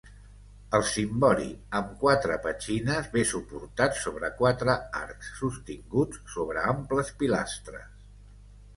El cimbori amb quatre petxines ve suportat sobre quatre arcs sostinguts sobre amples pilastres.